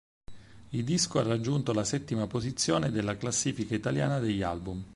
Il disco ha raggiunto la settima posizione della classifica italiana degli album.